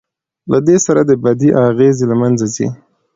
له دې سره د بدۍ اغېز له منځه ځي.